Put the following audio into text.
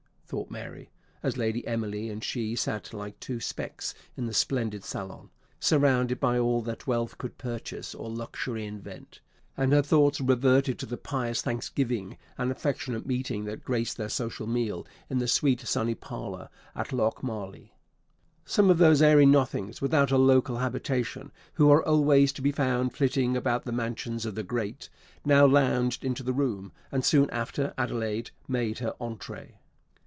thought Mary, as Lady Emily and she sat like two specks in the splendid saloon, surrounded by all that wealth could purchase or luxury invent; and her thoughts reverted to the pious thanksgiving and affectionate meeting that graced their social meal in the sweet sunny parlour at Lochmarlie. Some of those airy nothings, without a local habitation, who are always to be found flitting about the mansions of the great, now lounged into the room; and soon after Adelaide made her _entrée.